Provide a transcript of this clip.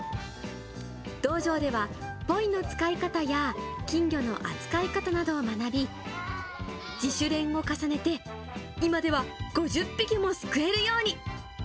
道場では、ポイの使い方や金魚の扱い方などを学び、自主練を重ねて、今では５０匹もすくえるように。